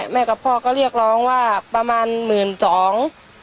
กับพ่อก็เรียกร้องว่าประมาณหมื่นสอง